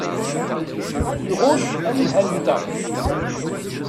Nɣucc anemhal-nteɣ.